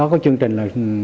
có chương trình